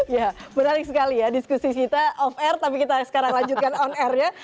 ya menarik sekali ya diskusi kita off air tapi kita sekarang lanjutkan on airnya